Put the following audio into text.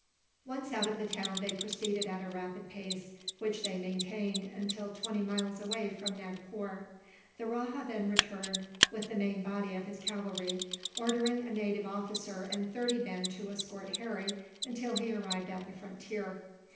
Once out of the town they proceeded at a rapid pace, which they maintained until twenty miles away from Nagpore. The rajah then returned, with the main body of his cavalry; ordering a native officer and thirty men to escort Harry, until he arrived at the frontier.